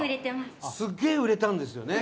すっげえ売れたんですよね？